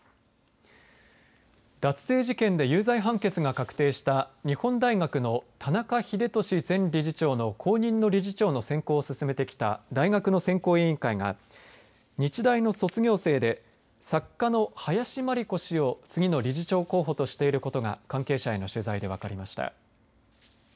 脱税事件で有罪判決が確定した日本大学の田中英壽前理事長の後任の理事長の選考を進めてきた大学の選考委員会が日大の卒業生で作家の林真理子氏を次の理事長候補としていることが関係者の取材で分かりました。